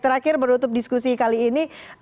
terakhir menutup diskusi kali ini